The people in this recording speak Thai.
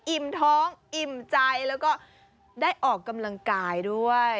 อิ่มท้องอิ่มใจแล้วก็ได้ออกกำลังกายด้วย